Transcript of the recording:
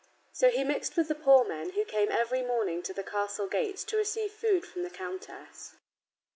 So he mixed with the poor men who came every morning to the castle gates to receive food from the countess.